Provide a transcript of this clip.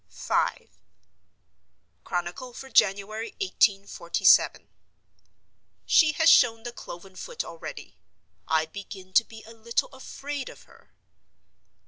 V. Chronicle for January, 1847. She has shown the cloven foot already. I begin to be a little afraid of her.